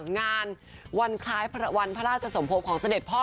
งานวันพระราชสมพบของเสด็จพ่อร๕